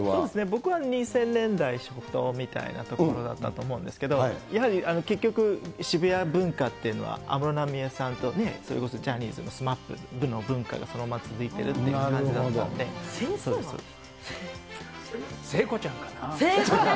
僕は２０００年代初頭みたいなところだったんですけど、やはり結局、渋谷文化っていうのは、安室奈美恵さんとね、それこそジャニーズのＳＭＡＰの文化がそのまま続いてるっていう聖子ちゃんかな。